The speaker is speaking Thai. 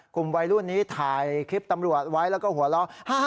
กลุ่มวัยรุ่นนี้ถ่ายคลิปตำรวจไว้แล้วก็หัวเราะ